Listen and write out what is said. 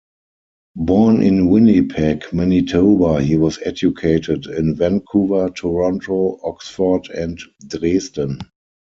Born in Winnipeg, Manitoba, he was educated in Vancouver, Toronto, Oxford and Dresden.